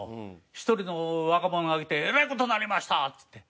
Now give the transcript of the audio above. １人の若者が来て「えらい事になりました」っつって。